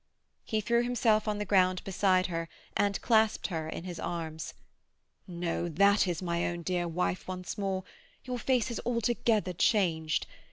He threw himself on the ground beside her and clasped her in his arms. "No, that is my own dear wife once more! Your face has altogether changed.